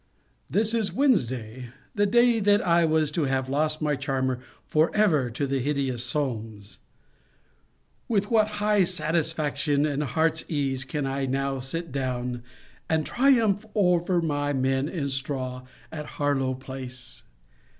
] This is Wednesday; the day that I was to have lost my charmer for ever to the hideous Solmes! With what high satisfaction and heart's ease can I now sit down, and triumph over my men in straw at Harlowe place!